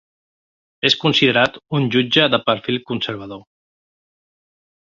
És considerat un jutge de perfil conservador.